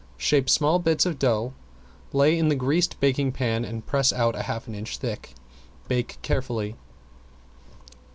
Shape small bits of dough, lay in the greased baking pan and press out half an inch thick; bake carefully.